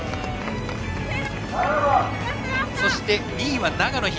そして、２位は長野東。